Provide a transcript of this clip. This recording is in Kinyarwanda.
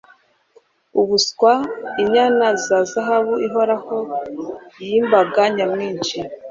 Ubuswa inyana ya zahabu ihoraho yimbaga nyamwinshi